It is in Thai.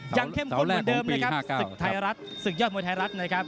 ยังเข้มคนเหมือนเดิมนะครับศึกยอดมวยไทยรัฐนะครับ